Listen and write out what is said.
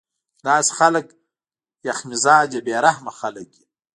داسې خلک يخ مزاجه بې رحمه خلک وي